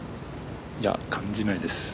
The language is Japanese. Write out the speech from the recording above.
いや、感じないです。